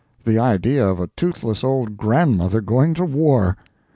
The idea of a toothless old grandmother going to war!